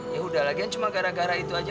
ya udah lagian cuma gara gara itu aja